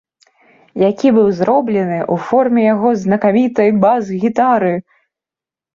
Які быў зроблены ў форме яго знакамітай бас-гітары!